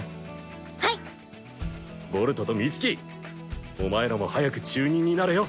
ボルトとミツキお前らも早く中忍になれよ。